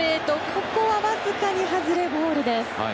ここはわずかに外れボールです。